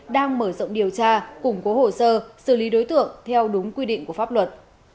đang mở rộng điều tra củng cố hồ sơ xử lý đối tượng theo đúng quy định của pháp luật